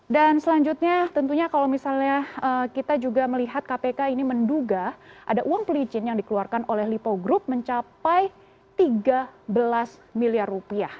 dan selanjutnya tentunya kalau misalnya kita juga melihat kpk ini menduga ada uang pelicin yang dikeluarkan oleh lipo group mencapai tiga belas miliar rupiah